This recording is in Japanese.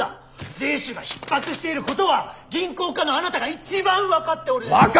税収がひっ迫していることは銀行家のあなたが一番分かっておるでしょうが。